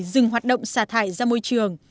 dừng hoạt động xả thải ra môi trường